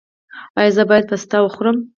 ایا زه باید پسته وخورم؟